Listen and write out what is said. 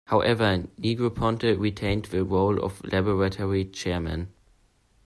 However, Negroponte retained the role of laboratory Chairman.